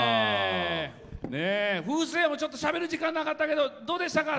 フースーヤも、ちょっとしゃべる時間なかったけどどうでしたか？